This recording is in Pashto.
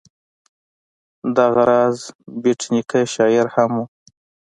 دغه راز بېټ نیکه شاعر هم و.